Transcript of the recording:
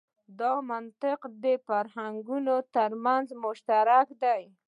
دا منطق د فرهنګونو تر منځ مشترک دی.